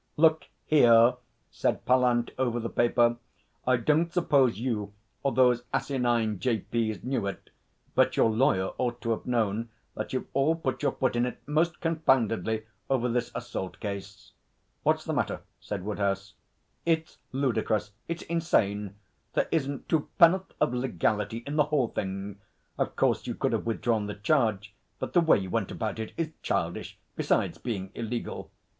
'Look here!' said Pallant over the paper. 'I don't suppose you or those asinine J.P.'s knew it but your lawyer ought to have known that you've all put your foot in it most confoundedly over this assault case.' 'What's the matter?' said Woodhouse. 'It's ludicrous. It's insane. There isn't two penn'orth of legality in the whole thing. Of course, you could have withdrawn the charge, but the way you went about it is childish besides being illegal.